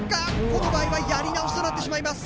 この場合はやり直しとなってしまいます。